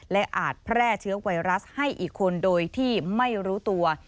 และอาจแพร่เชื้อไวรัสให้อีกคนโดยที่ไม่รู้ตัว